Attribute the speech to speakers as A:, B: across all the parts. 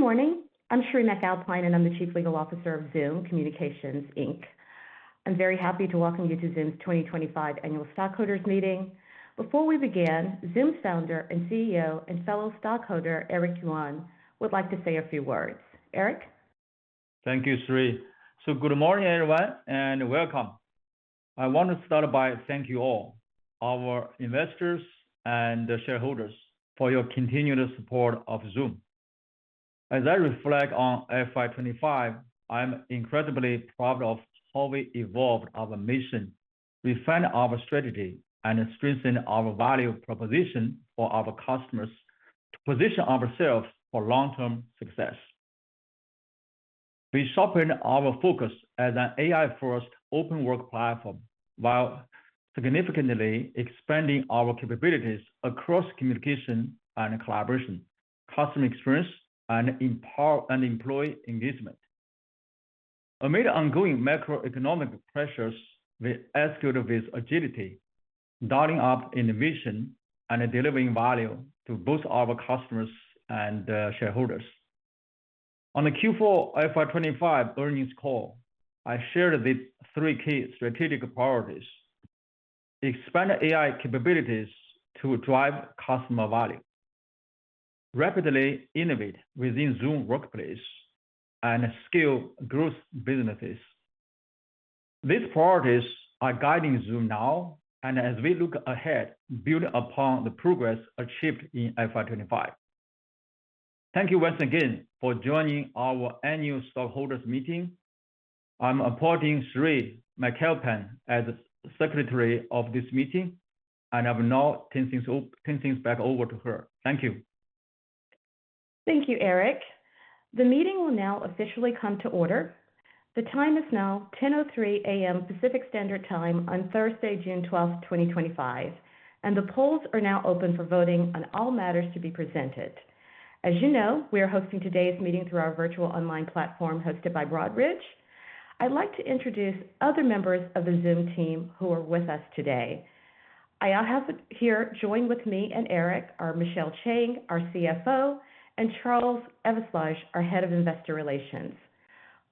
A: Good morning. I'm Cheree McAlpine, and I'm the Chief Legal Officer of Zoom Video Communications Inc. I'm very happy to welcome you to Zoom's 2025 Annual Stockholders Meeting. Before we begin, Zoom's founder and CEO and fellow stockholder, Eric Yuan, would like to say a few words. Eric?
B: Thank you, Cheree. Good morning, everyone, and welcome. I want to start by thanking you all, our investors and shareholders, for your continued support of Zoom. As I reflect on FY2025, I'm incredibly proud of how we evolved our mission, refined our strategy, and strengthened our value proposition for our customers to position ourselves for long-term success. We sharpened our focus as an AI-first open work platform while significantly expanding our capabilities across communication and collaboration, customer experience, and employee engagement. Amid ongoing macroeconomic pressures, we executed with agility, dialing up innovation and delivering value to both our customers and shareholders. On the Q4 FY2025 earnings call, I shared the three key strategic priorities: expand AI capabilities to drive customer value, rapidly innovate within Zoom Workplace, and scale growth businesses. These priorities are guiding Zoom now, and as we look ahead, building upon the progress achieved in FY2025. Thank you once again for joining our Annual Stockholders Meeting. I'm appointing Cheree McAlpine as Secretary of this meeting, and I will now turn things back over to her. Thank you.
A: Thank you, Eric. The meeting will now officially come to order. The time is now 10:03 A.M. Pacific Standard Time on Thursday, June 12, 2025, and the polls are now open for voting on all matters to be presented. As you know, we are hosting today's meeting through our virtual online platform hosted by Broadridge. I'd like to introduce other members of the Zoom team who are with us today. I have here joined with me and Eric are Michelle Chiang, our CFO, and Charles Eveslage, our Head of Investor Relations.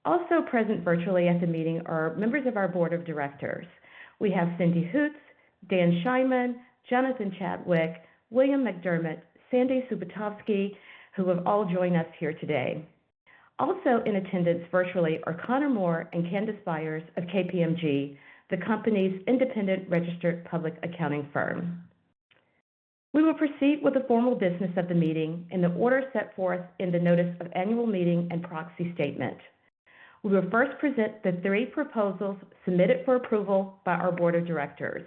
A: Also present virtually at the meeting are members of our Board of Directors. We have Cindy Hoots, Dan Scheimann, Jonathan Chadwick, William McDermott, and Santi Subitovsky, who have all joined us here today. Also in attendance virtually are Connor Moore and Candace Byers of KPMG, the company's independent registered public accounting firm. We will proceed with the formal business of the meeting in the order set forth in the Notice of Annual Meeting and Proxy Statement. We will first present the three proposals submitted for approval by our Board of Directors.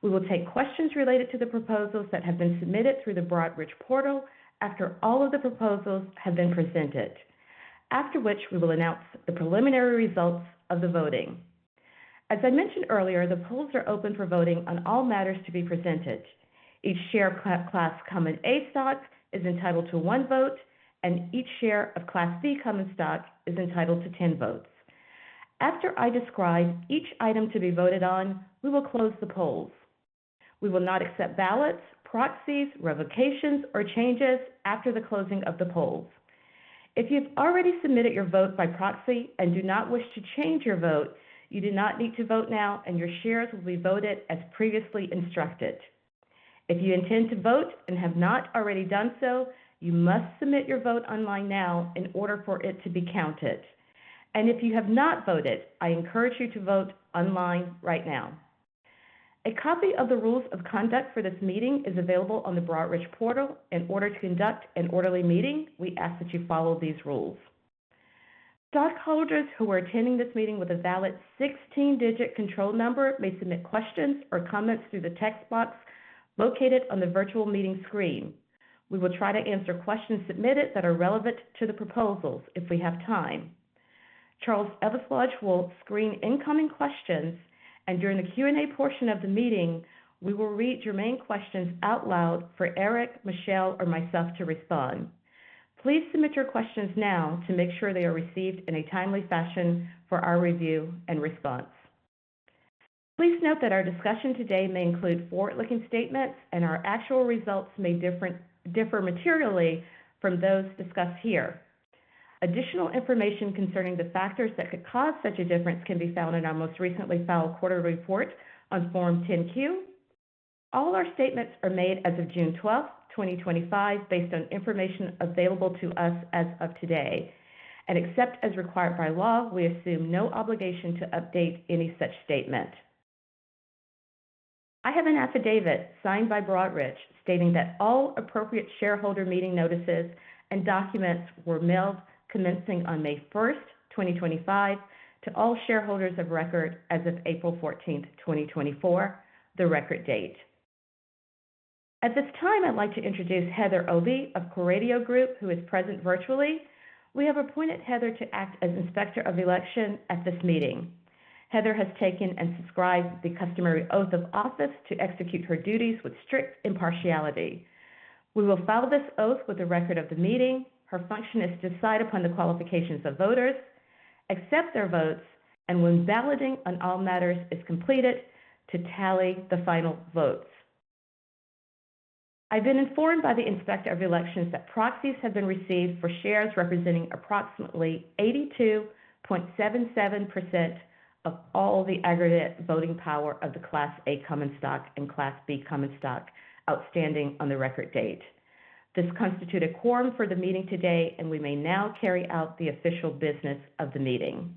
A: We will take questions related to the proposals that have been submitted through the Broadridge portal after all of the proposals have been presented, after which we will announce the preliminary results of the voting. As I mentioned earlier, the polls are open for voting on all matters to be presented. Each share of Class A Common Stock is entitled to one vote, and each share of Class B Common Stock is entitled to 10 votes. After I describe each item to be voted on, we will close the polls. We will not accept ballots, proxies, revocations, or changes after the closing of the polls. If you've already submitted your vote by proxy and do not wish to change your vote, you do not need to vote now, and your shares will be voted as previously instructed. If you intend to vote and have not already done so, you must submit your vote online now in order for it to be counted. If you have not voted, I encourage you to vote online right now. A copy of the rules of conduct for this meeting is available on the Broadridge portal. In order to conduct an orderly meeting, we ask that you follow these rules. Stockholders who are attending this meeting with a valid 16-digit control number may submit questions or comments through the text box located on the virtual meeting screen. We will try to answer questions submitted that are relevant to the proposals if we have time. Charles Eveslage will screen incoming questions, and during the Q&A portion of the meeting, we will read your main questions out loud for Eric, Michelle, or myself to respond. Please submit your questions now to make sure they are received in a timely fashion for our review and response. Please note that our discussion today may include forward-looking statements, and our actual results may differ materially from those discussed here. Additional information concerning the factors that could cause such a difference can be found in our most recently filed quarterly report on Form 10-Q. All our statements are made as of June 12, 2025, based on information available to us as of today, and except as required by law, we assume no obligation to update any such statement. I have an affidavit signed by Broadridge stating that all appropriate shareholder meeting notices and documents were mailed commencing on May 1, 2025, to all shareholders of record as of April 14, 2024, the record date. At this time, I'd like to introduce Heather Obi of Coradio Group, who is present virtually. We have appointed Heather to act as Inspector of Elections at this meeting. Heather has taken and subscribed the customary oath of office to execute her duties with strict impartiality. We will file this oath with the record of the meeting. Her function is to decide upon the qualifications of voters, accept their votes, and when validating on all matters is completed, to tally the final votes. I've been informed by the Inspector of Elections that proxies have been received for shares representing approximately 82.77% of all the aggregate voting power of the Class A Common Stock and Class B Common Stock outstanding on the record date. This constitutes a quorum for the meeting today, and we may now carry out the official business of the meeting.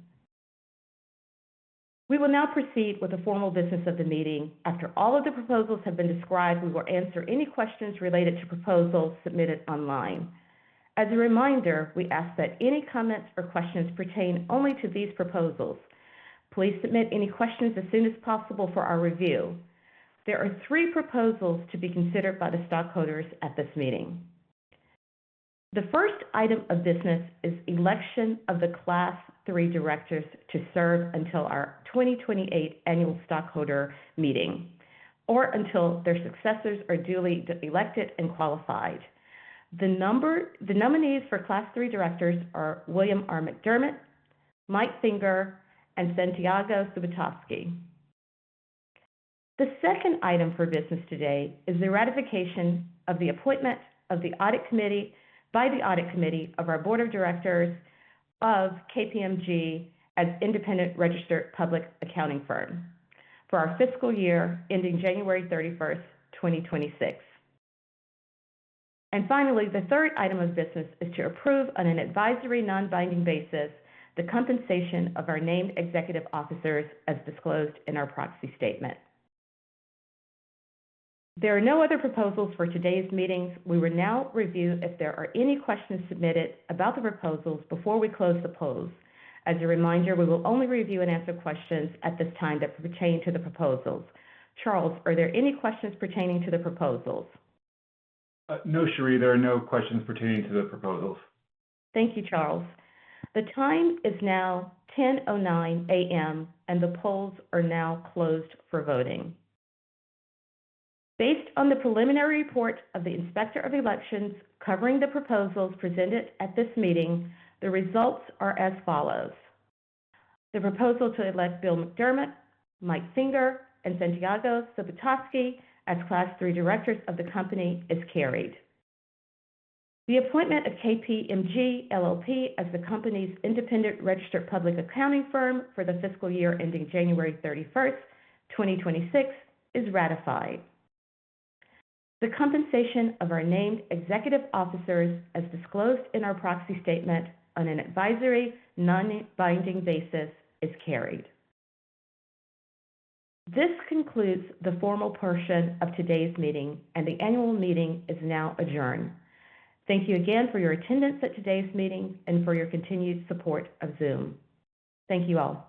A: We will now proceed with the formal business of the meeting. After all of the proposals have been described, we will answer any questions related to proposals submitted online. As a reminder, we ask that any comments or questions pertain only to these proposals. Please submit any questions as soon as possible for our review. There are three proposals to be considered by the stockholders at this meeting. The first item of business is the election of the Class Three Directors to serve until our 2028 Annual Stockholder Meeting or until their successors are duly elected and qualified. The nominees for Class Three Directors are William R. McDermott, Mike Finger, and Santiago Subitovsky. The second item for business today is the ratification of the appointment of the Audit Committee by the Audit Committee of our Board of Directors of KPMG as independent registered public accounting firm for our fiscal year ending January 31, 2026. Finally, the third item of business is to approve on an advisory non-binding basis the compensation of our named executive officers as disclosed in our proxy statement. There are no other proposals for today's meetings. We will now review if there are any questions submitted about the proposals before we close the polls. As a reminder, we will only review and answer questions at this time that pertain to the proposals. Charles, are there any questions pertaining to the proposals?
C: No, Cheree. There are no questions pertaining to the proposals.
A: Thank you, Charles. The time is now 10:09 A.M., and the polls are now closed for voting. Based on the preliminary report of the Inspector of Elections covering the proposals presented at this meeting, the results are as follows. The proposal to elect Bill McDermott, Mike Finger, and Santiago Subitovsky as Class Three Directors of the company is carried. The appointment of KPMG LLP as the company's independent registered public accounting firm for the fiscal year ending January 31, 2026, is ratified. The compensation of our named executive officers as disclosed in our proxy statement on an advisory non-binding basis is carried. This concludes the formal portion of today's meeting, and the annual meeting is now adjourned. Thank you again for your attendance at today's meeting and for your continued support of Zoom. Thank you all.